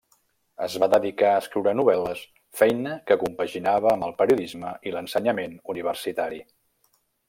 Es va dedicar a escriure novel·les, feina que compaginava amb el periodisme i l'ensenyament universitari.